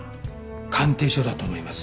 鑑定書だと思います。